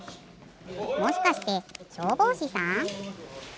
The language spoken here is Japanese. もしかしてしょうぼうしさん？